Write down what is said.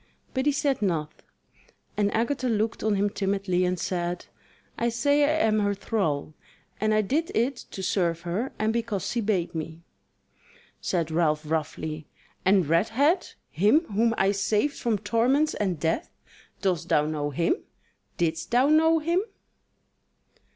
But he said naught, and Agatha looked on him timidly and said: "I say I am her thrall, and I did it to serve her and because she bade me." Said Ralph roughly: "And Redhead, him whom I saved from torments and death; dost thou know him? didst thou know him?"